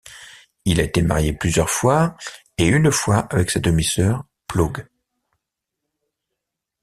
Il a été marié plusieurs fois et une fois avec sa demi-sœur Plough.